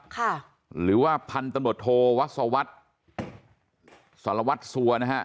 ค่ะหรือว่าพันธนโดทโทวัศวัฒน์สารวัฒน์ซัวร์นะฮะ